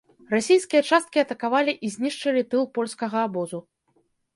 Расійскія часткі атакавалі і знішчылі тыл польскага абозу.